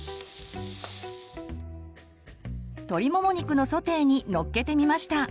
鶏もも肉のソテーにのっけてみました！